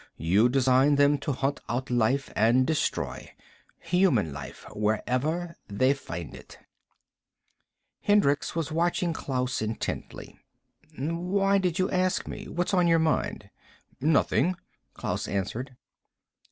"You designed them to hunt out life and destroy. Human life. Wherever they find it." Hendricks was watching Klaus intently. "Why did you ask me? What's on your mind?" "Nothing," Klaus answered.